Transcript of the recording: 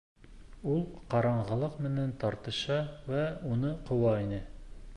Ул ҡараңғылыҡ менән тартыша вә уны ҡыуа ине.